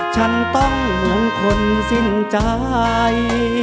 ฉันต้องห่วงคนสิ้นใจ